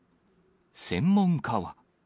専門家は。